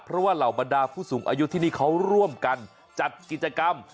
เพราะว่าเหล่าบรรดาผู้สูงอายุที่นี่เขาร่วมกันจัดกิจกรรม